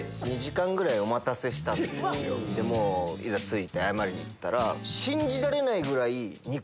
いざ着いて謝りに行ったら。